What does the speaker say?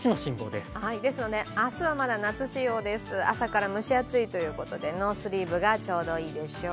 ですので明日はまだ夏仕様です、朝から蒸し暑いということでノースリーブがちょうどいいでしょう。